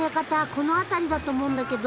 この辺りだと思うんだけど。